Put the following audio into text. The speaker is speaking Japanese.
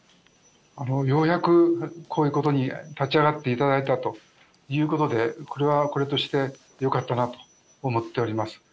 ようやくこういうことに立ち上がっていただいたということで、これはこれとしてよかったなと思っております。